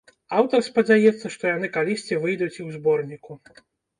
Аўтар спадзяецца, што яны калісьці выйдуць і ў зборніку.